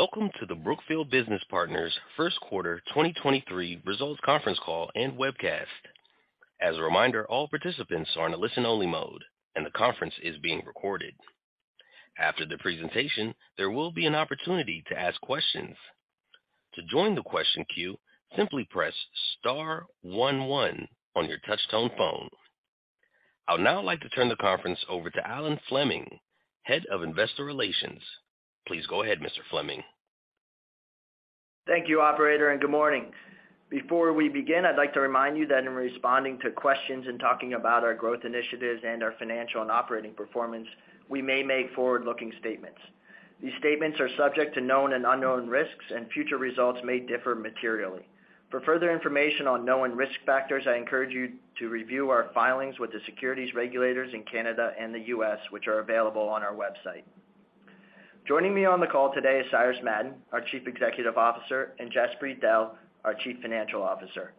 Welcome to the Brookfield Business Partners first quarter 2023 results conference call and webcast. As a reminder, all participants are in a listen-only mode, and the conference is being recorded. After the presentation, there will be an opportunity to ask questions. To join the question queue, simply press star 11 on your touchtone phone. I'd now like to turn the conference over to Alan Fleming, Head of Investor Relations. Please go ahead, Mr. Fleming. Thank you operator. Good morning. Before we begin, I'd like to remind you that in responding to questions and talking about our growth initiatives and our financial and operating performance, we may make forward-looking statements. These statements are subject to known and unknown risks. Future results may differ materially. For further information on known risk factors, I encourage you to review our filings with the securities regulators in Canada and the U.S., which are available on our website. Joining me on the call today is Cyrus Madon, our Chief Executive Officer, and Jaspreet Dehl, our Chief Financial Officer.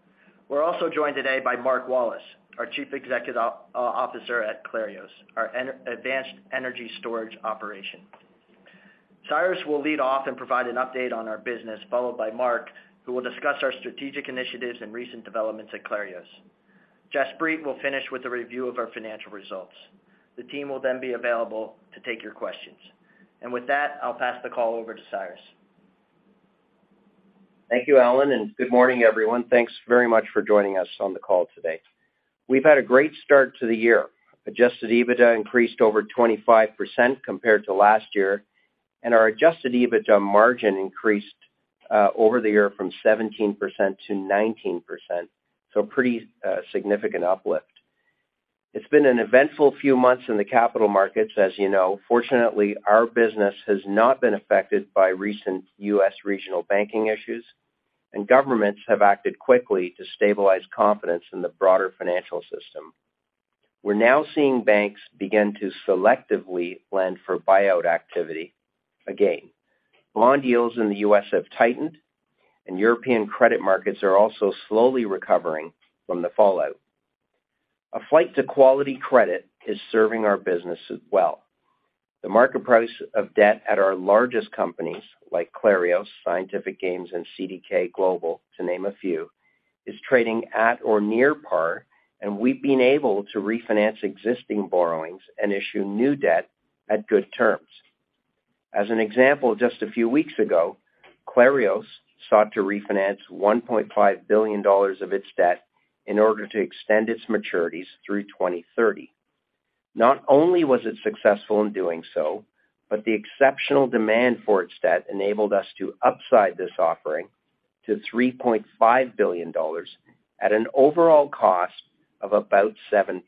We're also joined today by Mark Wallace, our Chief Executive Officer at Clarios, our advanced energy storage operation. Cyrus will lead off and provide an update on our business, followed by Mark, who will discuss our strategic initiatives and recent developments at Clarios. Jaspreet will finish with a review of our financial results. The team will then be available to take your questions. With that, I'll pass the call over to Cyrus. Thank you, Alan, good morning, everyone. Thanks very much for joining us on the call today. We've had a great start to the year. Adjusted EBITDA increased over 25% compared to last year, and our Adjusted EBITDA margin increased over the year from 17% to 19%. Pretty significant uplift. It's been an eventful few months in the capital markets, as you know. Fortunately, our business has not been affected by recent U.S. regional banking issues, and governments have acted quickly to stabilize confidence in the broader financial system. We're now seeing banks begin to selectively lend for buyout activity again. Bond yields in the U.S. have tightened, and European credit markets are also slowly recovering from the fallout. A flight to quality credit is serving our business well. The market price of debt at our largest companies, like Clarios, Scientific Games, and CDK Global, to name a few, is trading at or near par, and we've been able to refinance existing borrowings and issue new debt at good terms. As an example, just a few weeks ago, Clarios sought to refinance $1.5 billion of its debt in order to extend its maturities through 2030. Not only was it successful in doing so, but the exceptional demand for its debt enabled us to upside this offering to $3.5 billion at an overall cost of about 7%.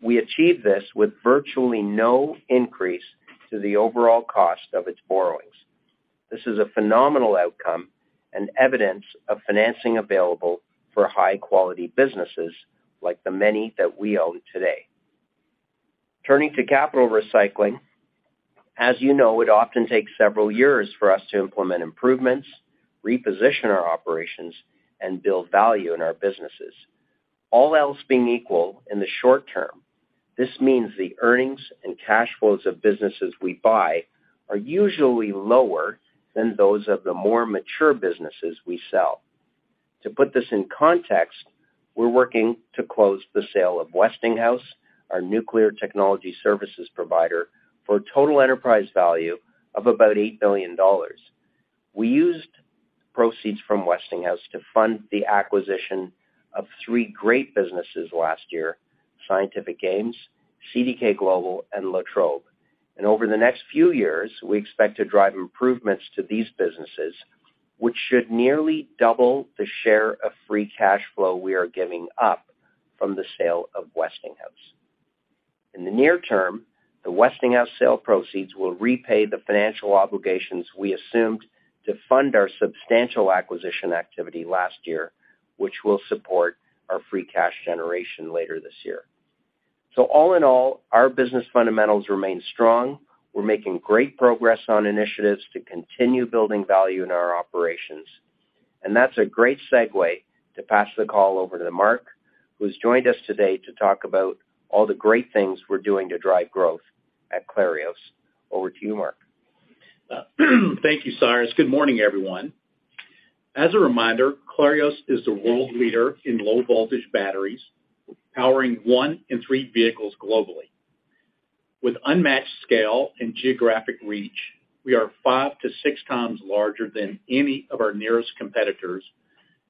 We achieved this with virtually no increase to the overall cost of its borrowings. This is a phenomenal outcome and evidence of financing available for high-quality businesses like the many that we own today. Turning to capital recycling, as you know, it often takes several years for us to implement improvements, reposition our operations, and build value in our businesses. All else being equal, in the short term, this means the earnings and cash flows of businesses we buy are usually lower than those of the more mature businesses we sell. To put this in context, we're working to close the sale of Westinghouse, our nuclear technology services provider, for a total enterprise value of about $8 billion. We used proceeds from Westinghouse to fund the acquisition of three great businesses last year, Scientific Games, CDK Global, and La Trobe. Over the next few years, we expect to drive improvements to these businesses, which should nearly double the share of free cash flow we are giving up from the sale of Westinghouse. In the near term, the Westinghouse sale proceeds will repay the financial obligations we assumed to fund our substantial acquisition activity last year, which will support our free cash generation later this year. All in all, our business fundamentals remain strong. We're making great progress on initiatives to continue building value in our operations. That's a great segue to pass the call over to Mark, who's joined us today to talk about all the great things we're doing to drive growth at Clarios. Over to you, Mark. Thank you, Cyrus. Good morning, everyone. As a reminder, Clarios is the world leader in low-voltage batteries, powering 1 in 3 vehicles globally. With unmatched scale and geographic reach, we are 5-6x larger than any of our nearest competitors.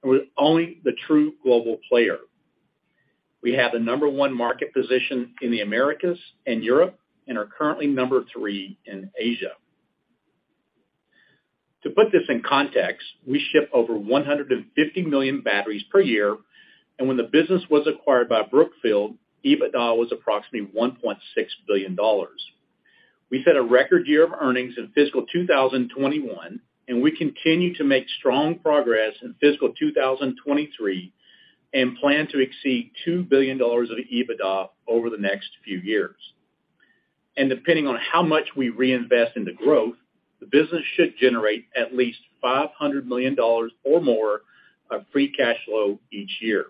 We're only the true global player. We have the number 1 market position in the Americas and Europe, and are currently number 3 in Asia. To put this in context, we ship over 150 million batteries per year. When the business was acquired by Brookfield, EBITDA was approximately $1.6 billion. We set a record year of earnings in fiscal 2021. We continue to make strong progress in fiscal 2023, and plan to exceed $2 billion of EBITDA over the next few years. Depending on how much we reinvest into growth, the business should generate at least $500 million or more of free cash flow each year.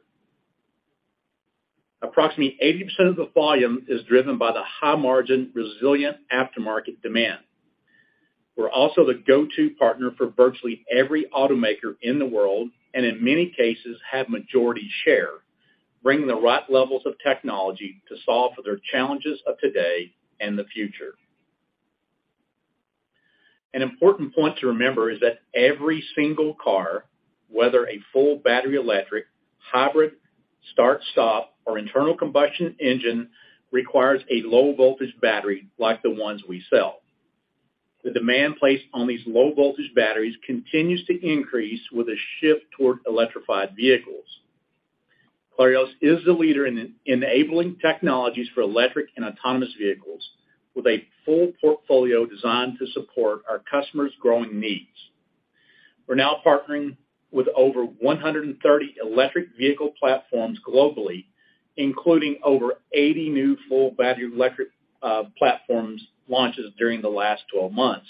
Approximately 80% of the volume is driven by the high margin resilient aftermarket demand. We're also the go-to partner for virtually every automaker in the world, and in many cases, have majority share, bringing the right levels of technology to solve for their challenges of today and the future. An important point to remember is that every single car, whether a full battery electric, hybrid, start-stop, or internal combustion engine, requires a low-voltage battery like the ones we sell. The demand placed on these low-voltage batteries continues to increase with a shift toward electrified vehicles. Clarios is the leader in enabling technologies for electric and autonomous vehicles with a full portfolio designed to support our customers' growing needs. We're now partnering with over 130 electric vehicle platforms globally, including over 80 new full battery electric platforms launches during the last 12 months.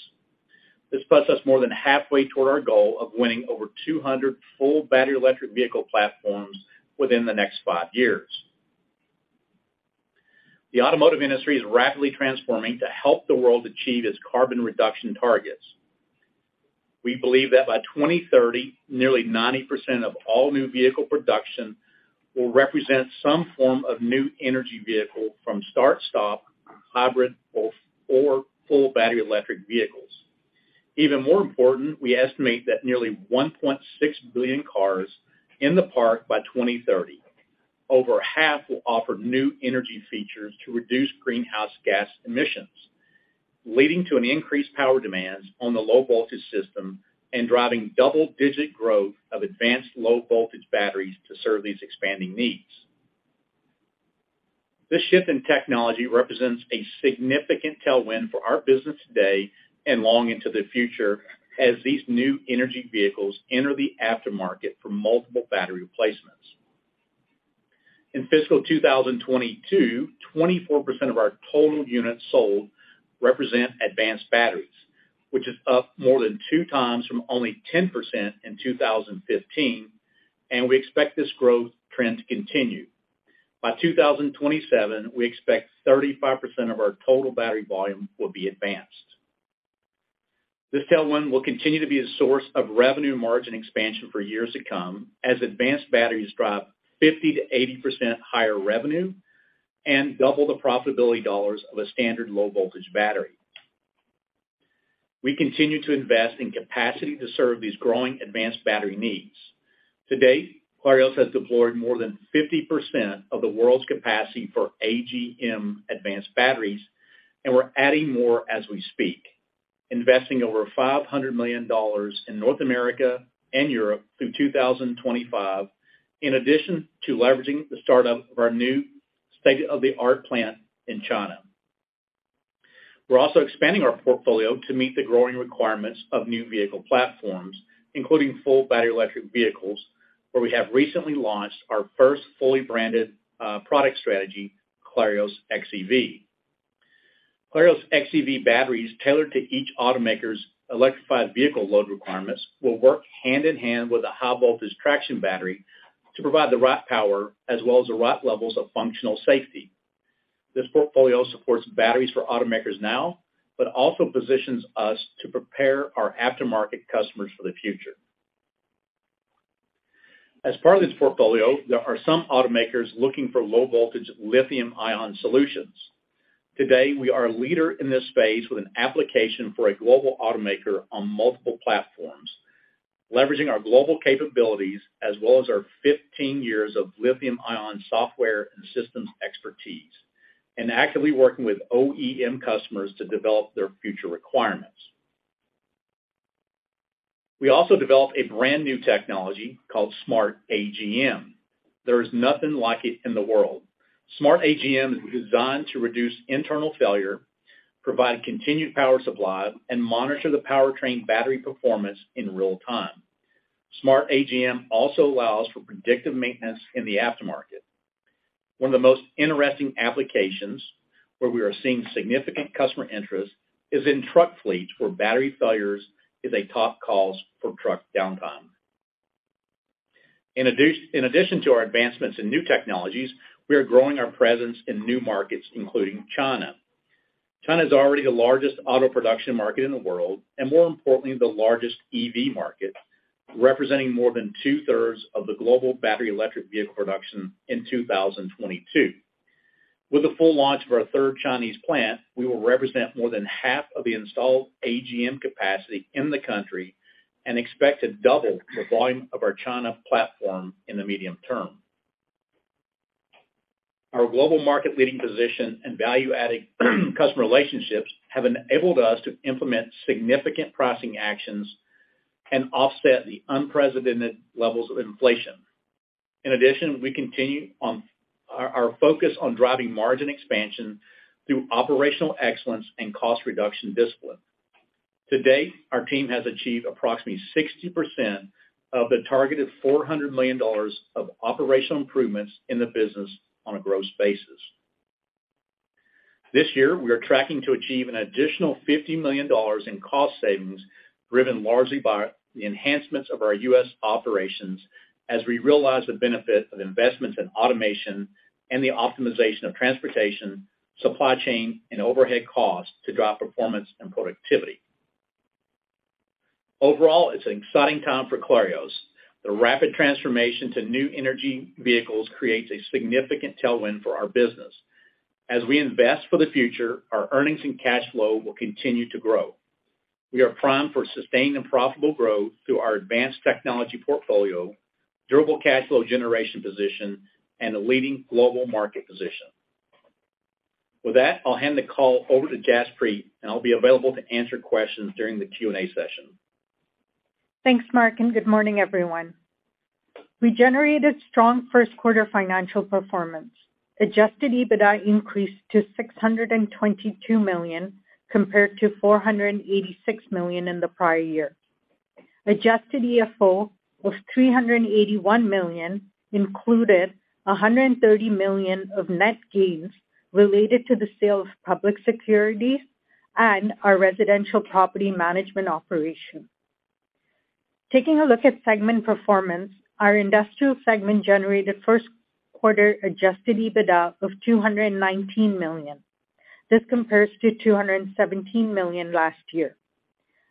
This puts us more than halfway toward our goal of winning over 200 full battery electric vehicle platforms within the next 5 years. The automotive industry is rapidly transforming to help the world achieve its carbon reduction targets. We believe that by 2030, nearly 90% of all new vehicle production will represent some form of new energy vehicle from start-stop, hybrid or full battery electric vehicles. Even more important, we estimate that nearly 1.6 billion cars in the park by 2030, over half will offer new energy features to reduce greenhouse gas emissions, leading to an increased power demands on the low-voltage system and driving double-digit growth of advanced low-voltage batteries to serve these expanding needs. This shift in technology represents a significant tailwind for our business today and long into the future as these new energy vehicles enter the aftermarket for multiple battery replacements. In fiscal 2022, 24% of our total units sold represent advanced batteries, which is up more than 2 times from only 10% in 2015. We expect this growth trend to continue. By 2027, we expect 35% of our total battery volume will be advanced. This tailwind will continue to be a source of revenue margin expansion for years to come, as advanced batteries drive 50%-80% higher revenue and double the profitability dollars of a standard low-voltage battery. We continue to invest in capacity to serve these growing advanced battery needs. To date, Clarios has deployed more than 50% of the world's capacity for AGM advanced batteries, and we're adding more as we speak, investing over $500 million in North America and Europe through 2025, in addition to leveraging the startup of our new state-of-the-art plant in China. We're also expanding our portfolio to meet the growing requirements of new vehicle platforms, including full battery electric vehicles, where we have recently launched our first fully branded product strategy, Clarios xEV. Clarios xEV batteries tailored to each automaker's electrified vehicle load requirements will work hand in hand with a high voltage traction battery to provide the right power as well as the right levels of functional safety. This portfolio supports batteries for automakers now, but also positions us to prepare our aftermarket customers for the future. As part of this portfolio, there are some automakers looking for low voltage lithium-ion solutions. Today, we are a leader in this space with an application for a global automaker on multiple platforms, leveraging our global capabilities as well as our 15 years of lithium-ion software and systems expertise, and actively working with OEM customers to develop their future requirements. We also developed a brand new technology called Smart AGM. There is nothing like it in the world. Smart AGM is designed to reduce internal failure, provide continued power supply, and monitor the powertrain battery performance in real time. Smart AGM also allows for predictive maintenance in the aftermarket. One of the most interesting applications where we are seeing significant customer interest is in truck fleets, where battery failures is a top cause for truck downtime. In addition to our advancements in new technologies, we are growing our presence in new markets, including China. China is already the largest auto production market in the world, and more importantly, the largest EV market, representing more than 2/3 of the global battery electric vehicle production in 2022. With the full launch of our third Chinese plant, we will represent more than half of the installed AGM capacity in the country and expect to double the volume of our China platform in the medium term. Our global market leading position and value-adding customer relationships have enabled us to implement significant pricing actions and offset the unprecedented levels of inflation. In addition, we continue on our focus on driving margin expansion through operational excellence and cost reduction discipline. To date, our team has achieved approximately 60% of the targeted $400 million of operational improvements in the business on a gross basis. This year, we are tracking to achieve an additional $50 million in cost savings, driven largely by the enhancements of our U.S. operations as we realize the benefit of investments in automation and the optimization of transportation, supply chain, and overhead costs to drive performance and productivity. Overall, it's an exciting time for Clarios. The rapid transformation to new energy vehicles creates a significant tailwind for our business. As we invest for the future, our earnings and cash flow will continue to grow. We are primed for sustained and profitable growth through our advanced technology portfolio, durable cash flow generation position, and a leading global market position. With that, I'll hand the call over to Jaspreet. I'll be available to answer questions during the Q&A session. Thanks, Mark. Good morning, everyone. We generated strong first quarter financial performance. Adjusted EBITDA increased to $622 million, compared to $486 million in the prior year. Adjusted EFO of $381 million included $130 million of net gains related to the sale of public securities and our residential property management operation. Taking a look at segment performance, our industrial segment generated first quarter Adjusted EBITDA of $219 million. This compares to $217 million last year.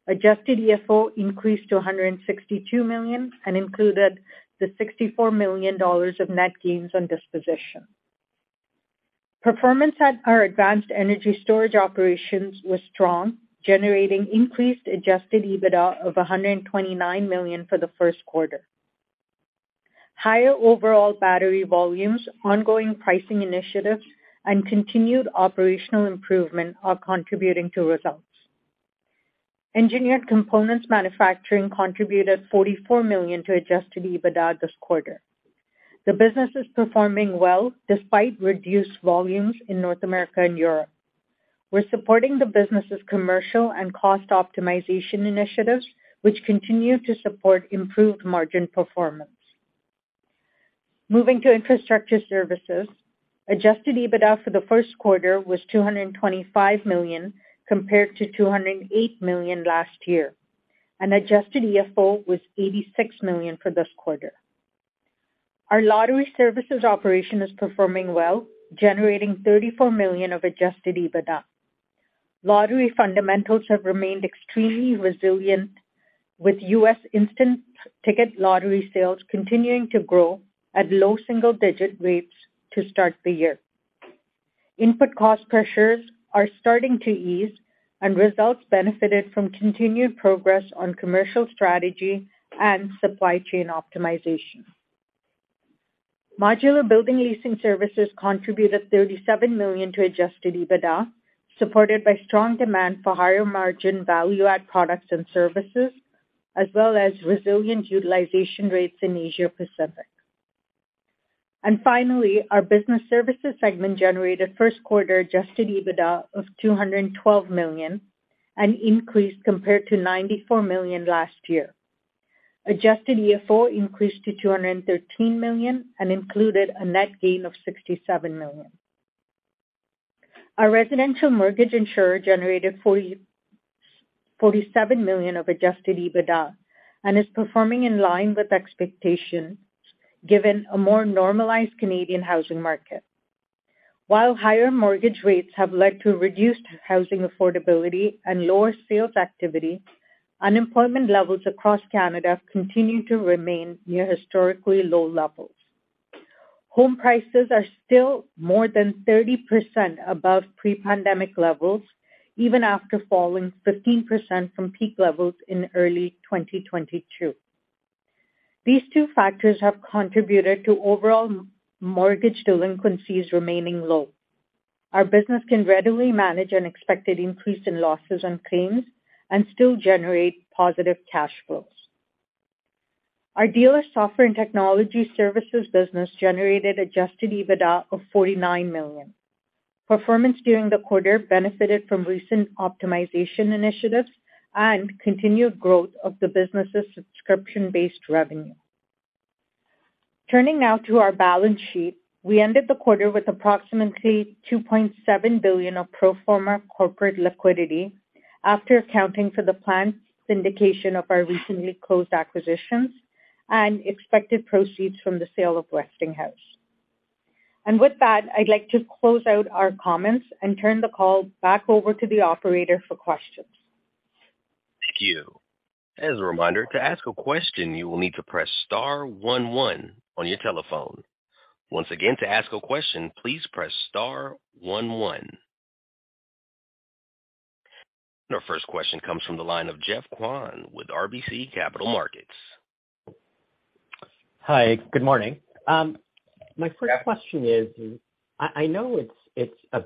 Adjusted EFO increased to $162 million and included the $64 million of net gains on disposition. Performance at our advanced energy storage operations was strong, generating increased Adjusted EBITDA of $129 million for the first quarter. Higher overall battery volumes, ongoing pricing initiatives, and continued operational improvement are contributing to results. Engineered components manufacturing contributed $44 million to Adjusted EBITDA this quarter. The business is performing well despite reduced volumes in North America and Europe. We're supporting the business' commercial and cost optimization initiatives, which continue to support improved margin performance. Moving to infrastructure services, Adjusted EBITDA for the first quarter was $225 million, compared to $208 million last year, and Adjusted EFO was $86 million for this quarter. Our lottery services operation is performing well, generating $34 million of Adjusted EBITDA. Lottery fundamentals have remained extremely resilient, with U.S. instant ticket lottery sales continuing to grow at low single-digit rates to start the year. Input cost pressures are starting to ease, results benefited from continued progress on commercial strategy and supply chain optimization. Modular building leasing services contributed $37 million to Adjusted EBITDA, supported by strong demand for higher margin value-add products and services, as well as resilient utilization rates in Asia Pacific. Finally, our business services segment generated first quarter Adjusted EBITDA of $212 million, an increase compared to $94 million last year. Adjusted EFO increased to $213 million and included a net gain of $67 million. Our residential mortgage insurer generated 47 million of Adjusted EBITDA and is performing in line with expectations, given a more normalized Canadian housing market. While higher mortgage rates have led to reduced housing affordability and lower sales activity, unemployment levels across Canada continue to remain near historically low levels. Home prices are still more than 30% above pre-pandemic levels, even after falling 15% from peak levels in early 2022. These two factors have contributed to overall mortgage delinquencies remaining low. Our business can readily manage an expected increase in losses on claims and still generate positive cash flows. Our dealer software and technology services business generated Adjusted EBITDA of $49 million. Performance during the quarter benefited from recent optimization initiatives and continued growth of the business' subscription-based revenue. Turning now to our balance sheet. We ended the quarter with approximately $2.7 billion of pro forma corporate liquidity after accounting for the planned syndication of our recently closed acquisitions and expected proceeds from the sale of Westinghouse. With that, I'd like to close out our comments and turn the call back over to the operator for questions. Thank you. As a reminder, to ask a question, you will need to press star one one on your telephone. Once again, to ask a question, please press star one one. Our first question comes from the line of Geoffrey Kwan with RBC Capital Markets. Hi, good morning. My first question is, I know it's a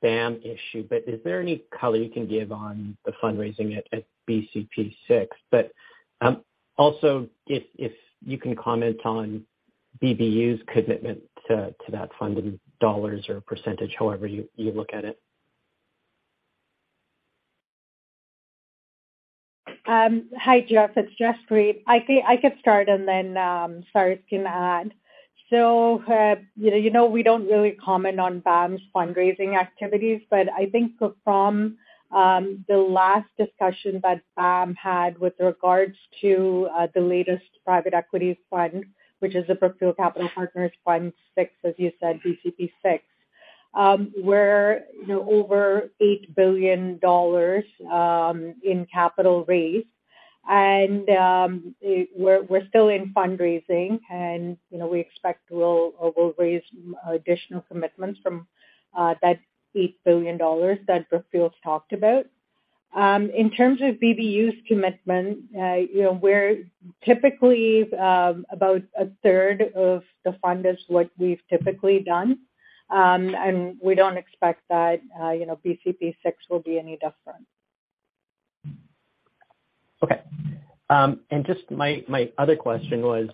BAM issue, but is there any color you can give on the fundraising at BCP VI? Also if you can comment on BBU's commitment to that fund in dollars or percentage, however you look at it. Hi, Geoff, it's Jaspreet. I think I could start and then Cyrus can add. You know, you know, we don't really comment on BAM's fundraising activities, but I think from the last discussion that BAM had with regards to the latest private equity fund, which is the Brookfield Capital Partners VI, as you said, BCP VI, we're, you know, over $8 billion in capital raised. We're still in fundraising and, you know, we expect we'll raise additional commitments from that $8 billion that Brookfield's talked about. In terms of BBU's commitment, you know, we're typically about a third of the fund is what we've typically done. We don't expect that, you know, BCP VI will be any different. Just my other question was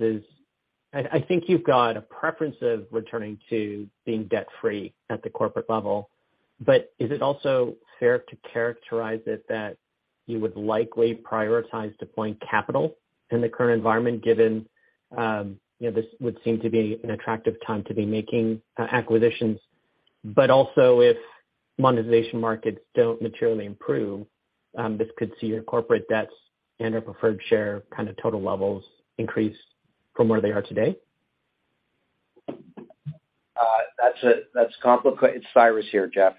I think you've got a preference of returning to being debt free at the corporate level, but is it also fair to characterize it that you would likely prioritize deploying capital in the current environment given, you know, this would seem to be an attractive time to be making acquisitions? Also if monetization markets don't materially improve, this could see your corporate debts and/or preferred share kind of total levels increase from where they are today. It's Cyrus here, Geoff.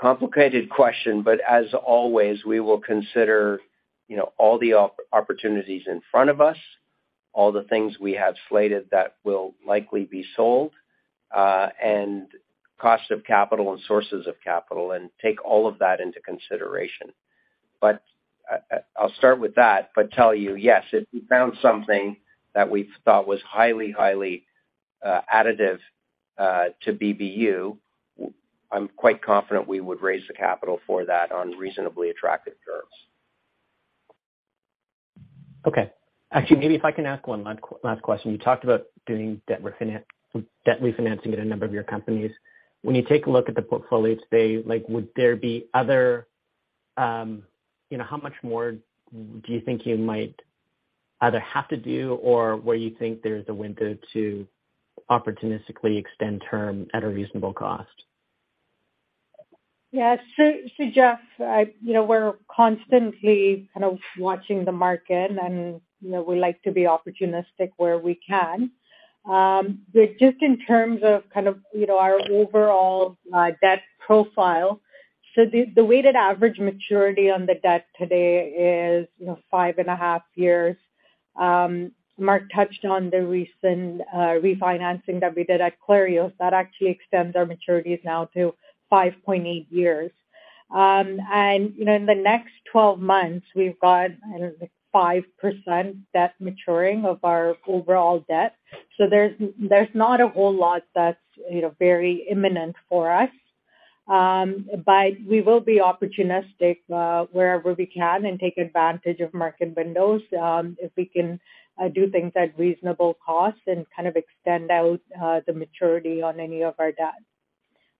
Complicated question, but as always, we will consider, you know, all the opportunities in front of us, all the things we have slated that will likely be sold, and cost of capital and sources of capital and take all of that into consideration. I'll start with that, but tell you, yes, if we found something that we thought was highly additive to BBU, I'm quite confident we would raise the capital for that on reasonably attractive terms. Okay. Actually, maybe if I can ask one last question. You talked about doing debt refinancing at a number of your companies. When you take a look at the portfolio today, like, would there be other, you know, how much more do you think you might either have to do or where you think there's a window to opportunistically extend term at a reasonable cost? Geoff, I, you know, we're constantly kind of watching the market and, you know, we like to be opportunistic where we can. Just in terms of kind of, you know, our overall debt profile. The weighted average maturity on the debt today is, you know, 5.5 years. Mark touched on the recent refinancing that we did at Clarios. That actually extends our maturities now to 5.8 years. In the next 12 months, we've got, I don't know, like 5% debt maturing of our overall debt. There's not a whole lot that's, you know, very imminent for us. We will be opportunistic wherever we can and take advantage of market windows, if we can do things at reasonable cost and kind of extend out the maturity on any of our debt.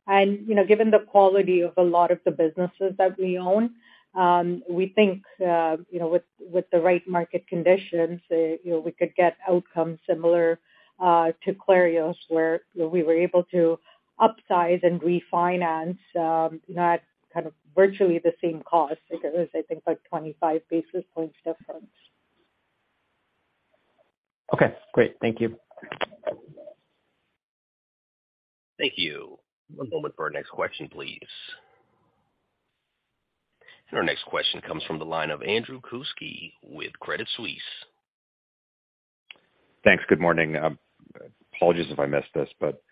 You know, given the quality of a lot of the businesses that we own, we think, you know, with the right market conditions, you know, we could get outcomes similar to Clarios, where we were able to upsize and refinance, you know, at kind of virtually the same cost. I think it was, I think, like 25 basis points difference. Okay, great. Thank you. Thank you. One moment for our next question, please. Our next question comes from the line of Andrew Kuske with Credit Suisse. Thanks. Good morning. Apologies if I missed this, but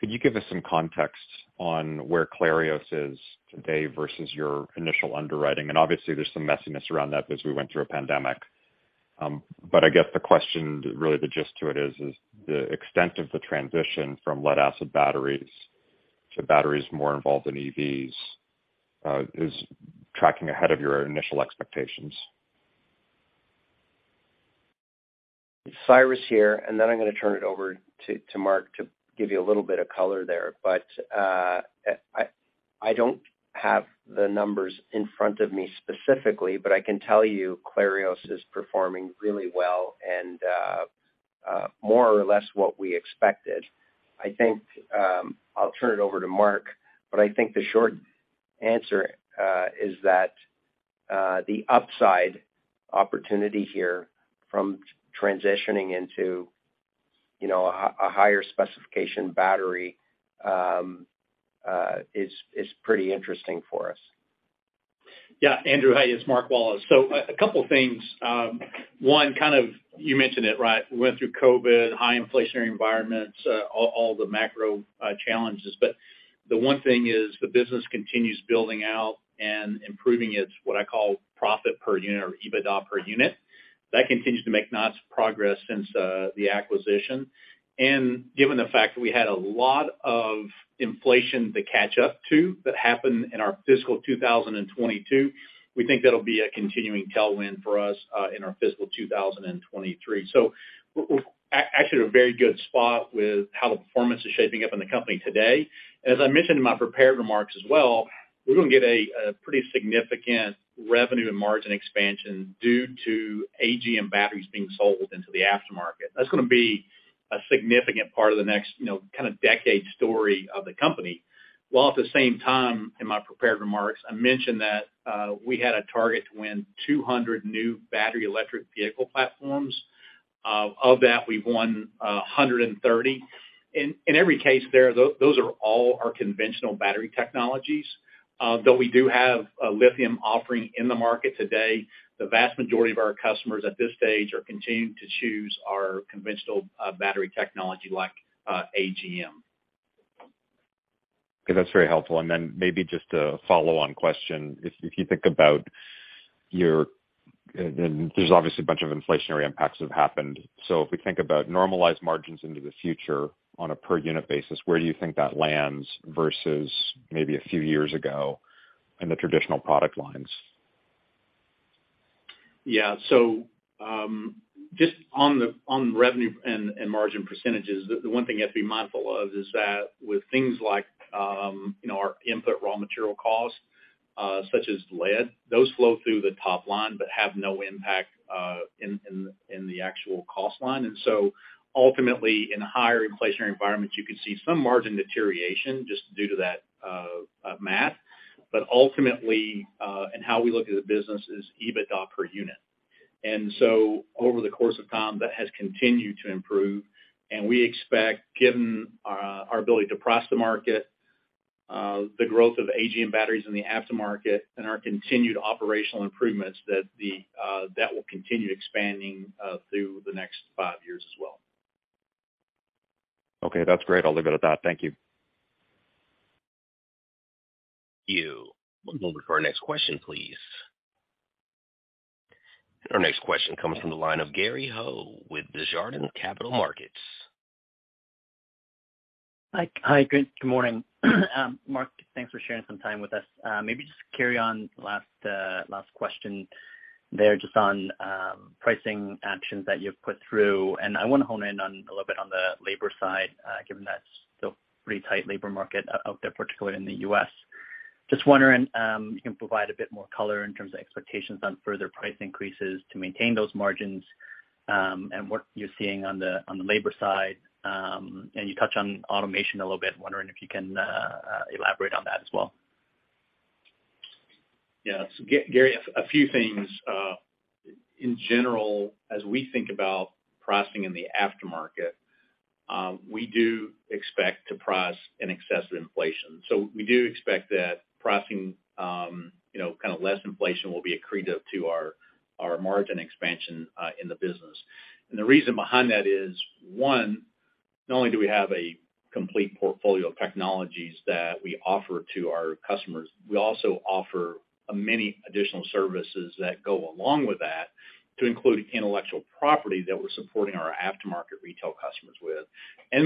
could you give us some context on where Clarios is today versus your initial underwriting? Obviously there's some messiness around that because we went through a pandemic. I guess the question, really the gist to it is the extent of the transition from lead acid batteries to batteries more involved in EVs, is tracking ahead of your initial expectations. Cyrus here, and then I'm gonna turn it over to Mark to give you a little bit of color there. I don't have the numbers in front of me specifically, but I can tell you Clarios is performing really well and more or less what we expected. I think I'll turn it over to Mark, but I think the short answer is that the upside opportunity here from transitioning into, you know, a higher specification battery is pretty interesting for us. Yeah. Andrew, how are you? It's Mark Wallace. A couple things. One, you mentioned it, right? We went through COVID, high inflationary environments, all the macro challenges. The one thing is the business continues building out and improving its what I call profit per unit or EBITDA per unit. That continues to make nice progress since the acquisition. Given the fact that we had a lot of inflation to catch up to that happened in our fiscal 2022, we think that'll be a continuing tailwind for us in our fiscal 2023. We're actually at a very good spot with how the performance is shaping up in the company today. As I mentioned in my prepared remarks as well. We're gonna get a pretty significant revenue and margin expansion due to AGM batteries being sold into the aftermarket. That's gonna be a significant part of the next, you know, kind of decade story of the company. At the same time, in my prepared remarks, I mentioned that we had a target to win 200 new battery electric vehicle platforms. Of that, we've won 130. In every case there, those are all our conventional battery technologies. Though we do have a lithium offering in the market today, the vast majority of our customers at this stage are continuing to choose our conventional battery technology like AGM. Okay, that's very helpful. Maybe just a follow-on question. If you think about your... There's obviously a bunch of inflationary impacts have happened. If we think about normalized margins into the future on a per unit basis, where do you think that lands versus maybe a few years ago in the traditional product lines? Yeah. Just on the revenue and margin percentages, the one thing you have to be mindful of is that with things like, you know, our input raw material costs, such as lead, those flow through the top line but have no impact in the actual cost line. Ultimately, in a higher inflationary environment, you could see some margin deterioration just due to that math. Ultimately, and how we look at the business is EBITDA per unit. Over the course of time, that has continued to improve, and we expect, given our ability to price the market, the growth of AGM batteries in the aftermarket and our continued operational improvements, that will continue expanding through the next 5 years as well. Okay, that's great. I'll leave it at that. Thank you. You. We'll go over to our next question, please. Our next question comes from the line of Gary Ho with Desjardins Capital Markets. Hi. Good morning. Mark, thanks for sharing some time with us. Maybe just carry on last question there just on pricing actions that you've put through. I wanna hone in on a little bit on the labor side, given that still pretty tight labor market out there, particularly in the U.S. Just wondering, you can provide a bit more color in terms of expectations on further price increases to maintain those margins, and what you're seeing on the labor side? You touched on automation a little bit. Wondering if you can elaborate on that as well? Yeah. Gary, a few things. In general, as we think about pricing in the aftermarket, we do expect to price in excess of inflation. We do expect that pricing, you know, kind of less inflation will be accretive to our margin expansion in the business. The reason behind that is, one, not only do we have a complete portfolio of technologies that we offer to our customers, we also offer a many additional services that go along with that to include intellectual property that we're supporting our aftermarket retail customers with.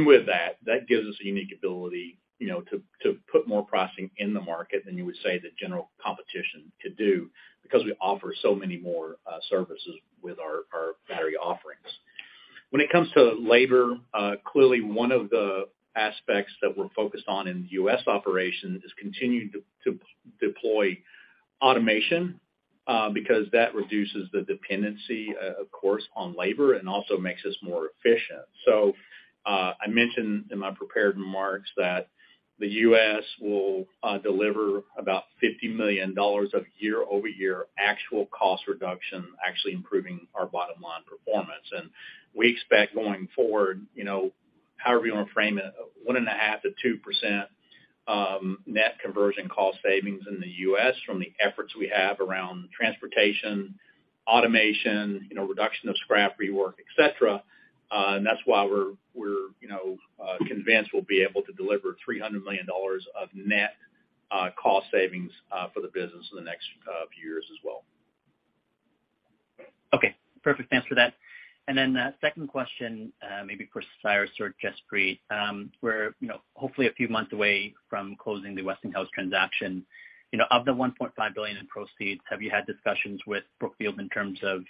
With that gives us a unique ability, you know, to put more pricing in the market than you would say the general competition could do because we offer so many more services with our battery offerings. When it comes to labor, clearly one of the aspects that we're focused on in U.S. operations is continuing to deploy automation, because that reduces the dependency, of course, on labor and also makes us more efficient. I mentioned in my prepared remarks that the U.S. will deliver about $50 million of year-over-year actual cost reduction, actually improving our bottom line performance. We expect going forward, you know, however you wanna frame it, 1.5%-2% net conversion cost savings in the U.S. from the efforts we have around transportation, automation, you know, reduction of scrap rework, et cetera. That's why we're, you know, convinced we'll be able to deliver $300 million of net cost savings for the business in the next few years as well. Okay. Perfect answer to that. Then, second question, maybe for Cyrus or Jaspreet. We're, you know, hopefully a few months away from closing the Westinghouse transaction. You know, of the $1.5 billion in proceeds, have you had discussions with Brookfield in terms of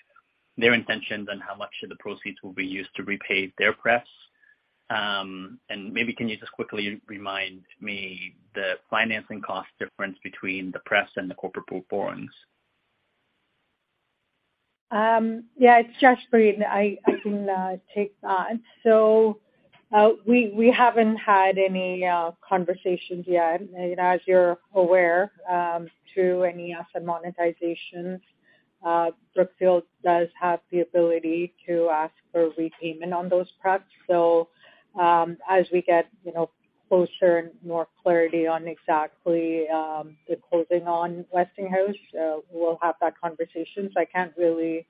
their intentions on how much of the proceeds will be used to repay their prefs? Maybe can you just quickly remind me the financing cost difference between the prefs and the corporate pool borrowings? Yeah. It's Jaspreet. I can take that. We haven't had any conversations yet. You know, as you're aware, to any asset monetizations, Brookfield does have the ability to ask for repayment on those prefs. As we get, you know, closer and more clarity on exactly the closing on Westinghouse, we'll have that conversation. I can't really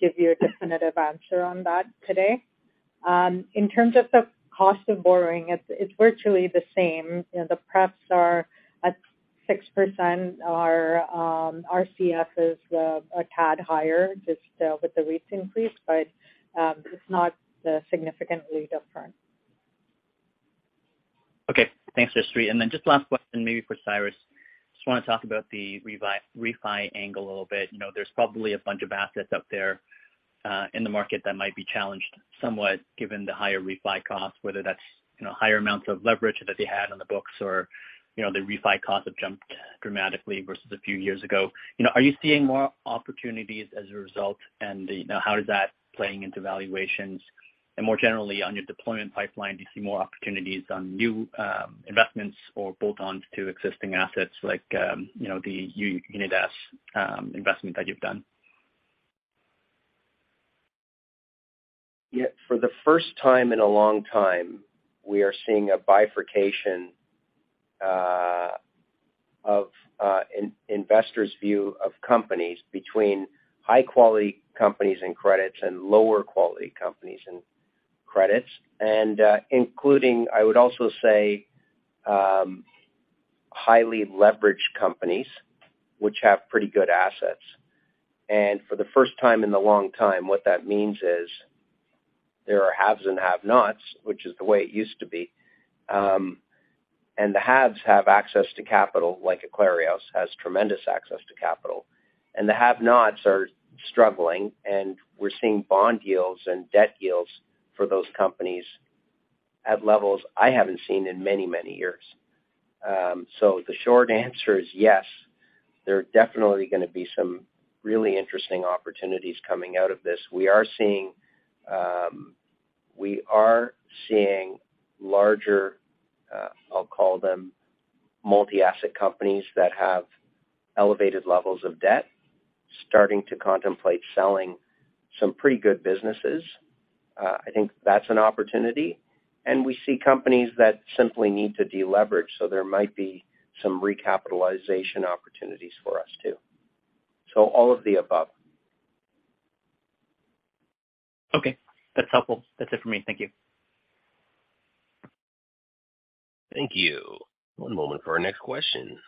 give you a definitive answer on that today. In terms of the cost of borrowing, it's virtually the same. You know, the prefs are at 6%. Our RCF is a tad higher just with the rates increase, but it's not significantly different. Okay. Thanks, Jaspreet. Just last question maybe for Cyrus. Just wanna talk about the refi angle a little bit. You know, there's probably a bunch of assets out there in the market that might be challenged somewhat given the higher refi costs, whether that's, you know, higher amounts of leverage that they had on the books or, you know, the refi costs have jumped dramatically versus a few years ago. You know, are you seeing more opportunities as a result? How is that playing into valuations? More generally, on your deployment pipeline, do you see more opportunities on new investments or bolt-ons to existing assets like, you know, the Unidas investment that you've done? For the first time in a long time, we are seeing a bifurcation of investors' view of companies between high-quality companies and credits and lower quality companies and credits. Including, I would also say, highly leveraged companies which have pretty good assets. For the first time in a long time, what that means is there are haves and have-nots, which is the way it used to be. The haves have access to capital, like Clarios has tremendous access to capital, and the have-nots are struggling, and we're seeing bond yields and debt yields for those companies at levels I haven't seen in many, many years. The short answer is yes, there are definitely gonna be some really interesting opportunities coming out of this. We are seeing larger, I'll call them multi-asset companies that have elevated levels of debt, starting to contemplate selling some pretty good businesses. I think that's an opportunity. We see companies that simply need to deleverage, so there might be some recapitalization opportunities for us too. All of the above. Okay, that's helpful. That's it for me. Thank you. Thank you. One moment for our next question.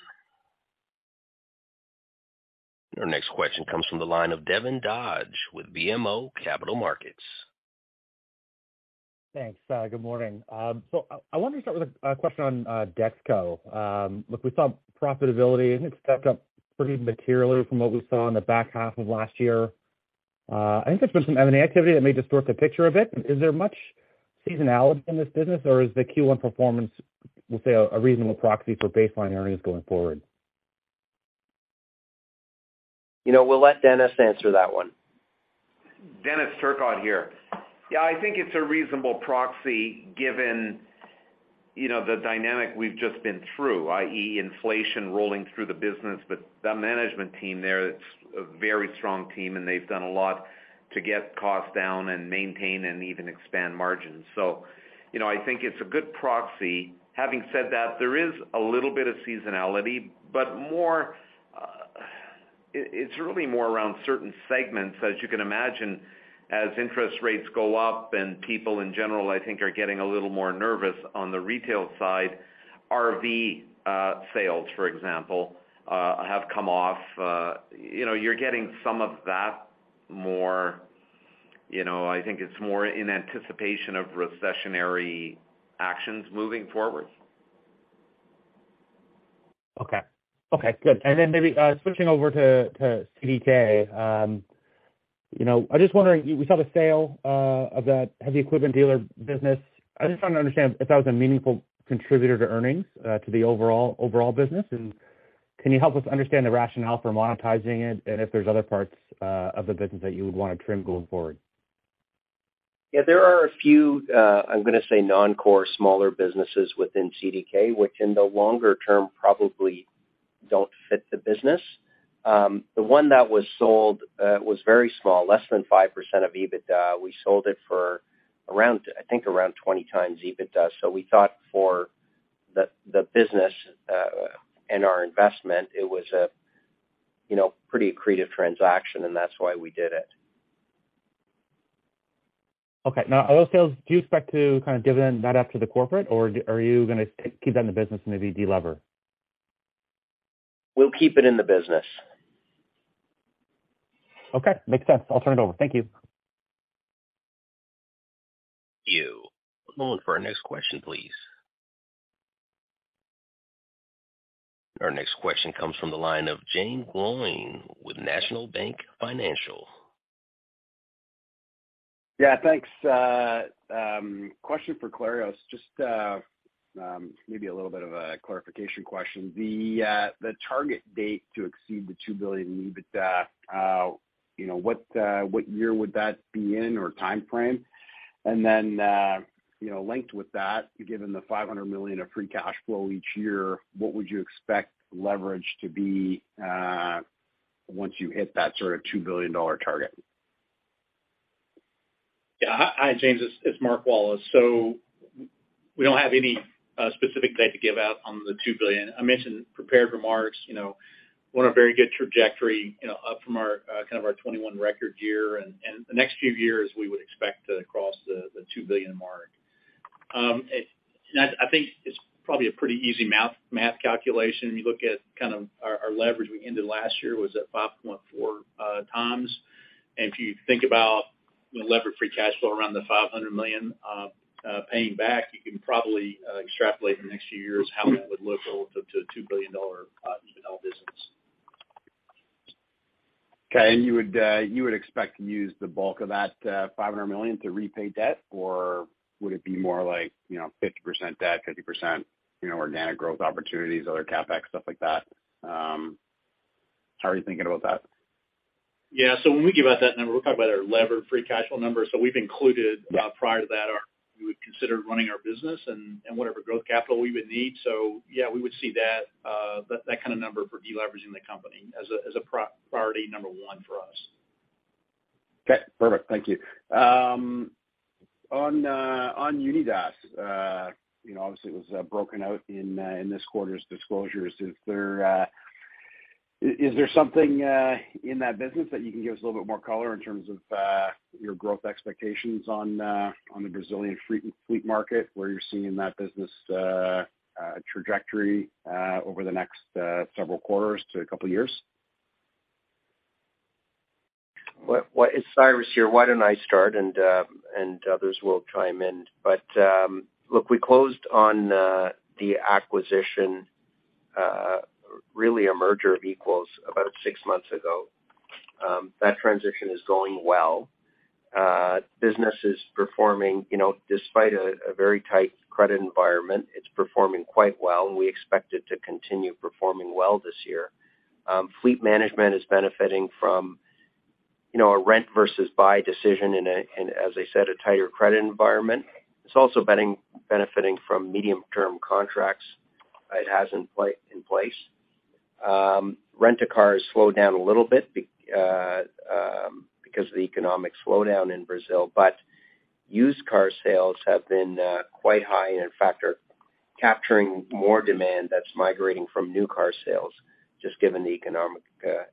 Our next question comes from the line of Devin Dodge with BMO Capital Markets. Thanks. Good morning. I wanted to start with a question on Dexco. Look, we saw profitability, I think stepped up pretty materially from what we saw in the back half of last year. I think there's been some M&A activity that may distort the picture a bit. Is there much seasonality in this business, or is the Q1 performance, we'll say a reasonable proxy for baseline earnings going forward? You know, we'll let Denis answer that one. Denis Turcotte here. Yeah, I think it's a reasonable proxy given, you know, the dynamic we've just been through, i.e. inflation rolling through the business. The management team there, it's a very strong team, and they've done a lot to get costs down and maintain and even expand margins. You know, I think it's a good proxy. Having said that, there is a little bit of seasonality, but more. It's really more around certain segments. As you can imagine, as interest rates go up and people in general, I think, are getting a little more nervous on the retail side. RV sales, for example, have come off. You know, you're getting some of that more, you know, I think it's more in anticipation of recessionary actions moving forward. Okay. Okay, good. Then maybe switching over to CDK. You know, I'm just wondering, we saw the sale of that heavy equipment dealer business. I just want to understand if that was a meaningful contributor to earnings to the overall business, and can you help us understand the rationale for monetizing it and if there's other parts of the business that you would wanna trim going forward? There are a few, I'm gonna say non-core smaller businesses within CDK, which in the longer term probably don't fit the business. The one that was sold, was very small, less than 5% of EBITDA. We sold it for around, I think around 20 times EBITDA. We thought for the business, and our investment, it was a, you know, pretty accretive transaction and that's why we did it. Now, are those sales, do you expect to kind of give in that up to the corporate, or are you gonna keep that in the business and maybe de-lever? We'll keep it in the business. Okay, makes sense. I'll turn it over. Thank you. One moment for our next question, please. Our next question comes from the line of Jaeme Gloyn with National Bank Financial. Yeah, thanks. Question for Clarios. Just, maybe a little bit of a clarification question. The target date to exceed the $2 billion in EBITDA, you know, what year would that be in or timeframe? Then, you know, linked with that, given the $500 million of free cash flow each year, what would you expect leverage to be once you hit that sort of $2 billion target? Yeah. Hi, James. It's Mark Wallace. We don't have any specific date to give out on the $2 billion. I mentioned prepared remarks, you know, we're on a very good trajectory, you know, up from our kind of our '21 record year and the next few years we would expect to cross the $2 billion mark. I think it's probably a pretty easy math calculation. You look at kind of our leverage we ended last year was at 5.4 times. If you think about, you know, levered free cash flow around the $500 million paying back, you can probably extrapolate the next few years how that would look to $2 billion EBITDA business. Okay. You would expect to use the bulk of that $500 million to repay debt? Would it be more like, you know, 50% debt, 50%, you know, organic growth opportunities, other CapEx, stuff like that? How are you thinking about that? Yeah. When we give out that number, we're talking about our levered free cash flow number. We've included, prior to that, we would consider running our business and whatever growth capital we would need. Yeah, we would see that kind of number for deleveraging the company as a priority number one for us. Okay, perfect. Thank you. On Unidas, you know, obviously it was broken out in this quarter's disclosures. Is there something in that business that you can give us a little bit more color in terms of your growth expectations on the Brazilian fleet market, where you're seeing that business trajectory over the next several quarters to a couple years? It's Cyrus here. Why don't I start and others will chime in. Look, we closed on the acquisition, really a merger of equals about six months ago. That transition is going well. Business is performing, you know, despite a very tight credit environment, it's performing quite well, and we expect it to continue performing well this year. Fleet management is benefiting from, you know, a rent versus buy decision in, as I said, a tighter credit environment. It's also benefiting from medium-term contracts it has in place. Rent-a-car has slowed down a little bit because of the economic slowdown in Brazil, but used car sales have been quite high and in fact are capturing more demand that's migrating from new car sales, just given the economic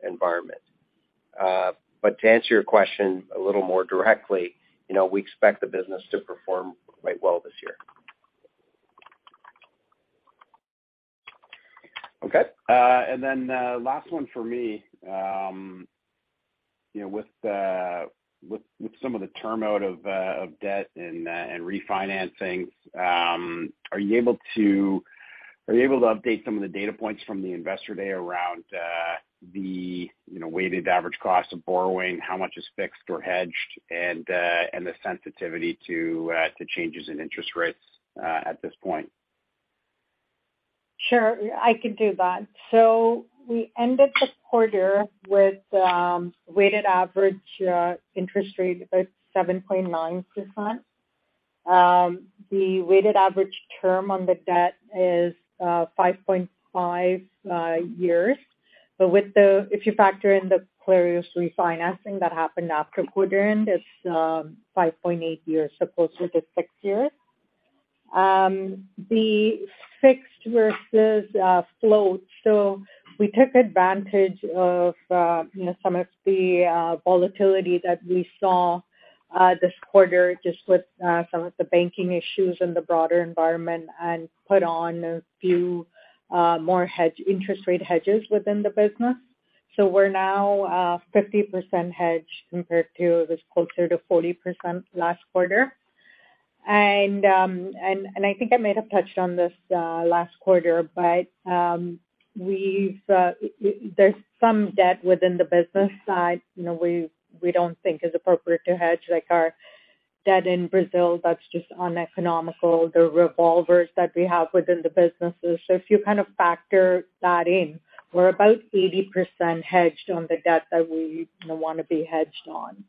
environment. To answer your question a little more directly, you know, we expect the business to perform quite well this year. Okay and then last one for me. You know, with the, with some of the term out of, uh, of debt and, uh, and refinancing, are you able to, are you able to update some of the data points from the investor day around, uh, the, you know, weighted average cost of borrowing, how much is fixed or hedged, and, uh, and the sensitivity to, uh, to changes in interest rates, at this point Sure, I could do that. We ended the quarter with weighted average interest rate about 7.9%. The weighted average term on the debt is 5.5 years. With the if you factor in the Clarios refinancing that happened after quarter end, it's 5.8 years as opposed to the 6 years. The fixed versus float. We took advantage of, you know, some of the volatility that we saw this quarter just with some of the banking issues and the broader environment and put on a few more hedge, interest rate hedges within the business. We're now 50% hedged compared to it was closer to 40% last quarter. I think I may have touched on this last quarter, but there's some debt within the business side, you know, we don't think is appropriate to hedge, like our debt in Brazil, that's just uneconomical, the revolvers that we have within the businesses. If you kind of factor that in, we're about 80% hedged on the debt that we wanna be hedged on.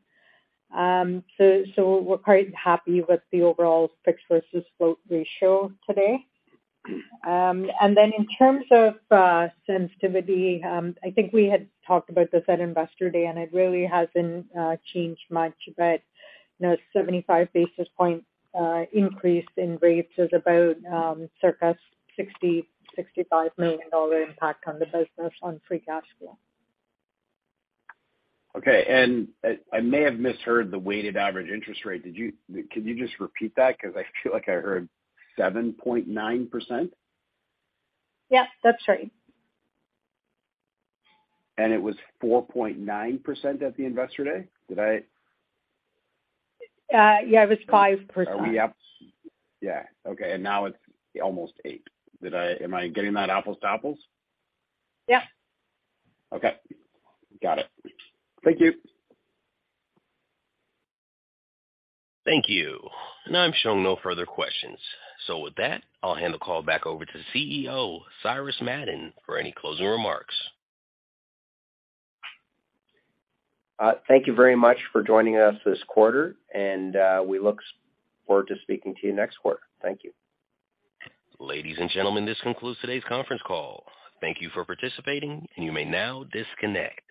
We're quite happy with the overall fixed versus float ratio today. In terms of sensitivity, I think we had talked about this at Investor Day, and it really hasn't changed much. You know, 75 basis points increase in rates is about circa $60-65 million impact on the business on free cash flow. Okay. I may have misheard the weighted average interest rate. Can you just repeat that? 'Cause I feel like I heard 7.9%. Yes, that's right. It was 4.9% at the Investor Day. Did I? Yeah, it was 5%. Are we up? Yeah. Okay. Now it's almost eight. Am I getting that apples to apples? Yeah. Okay. Got it. Thank you. Thank you. Now I'm showing no further questions. With that, I'll hand the call back over to the CEO, Cyrus Madon, for any closing remarks. Thank you very much for joining us this quarter, and we look forward to speaking to you next quarter. Thank you. Ladies and gentlemen, this concludes today's conference call. Thank you for participating, and you may now disconnect.